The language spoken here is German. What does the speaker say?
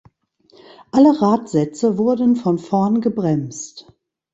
Alle Radsätze wurden von vorn gebremst.